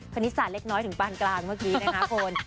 คณิตศาสตร์เล็กน้อยถึงปานกลางเมื่อกี้นะคะคุณ